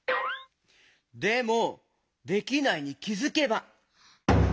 でも「できないに気づけば」？